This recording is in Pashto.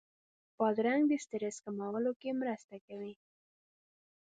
بادرنګ د سټرس کمولو کې مرسته کوي.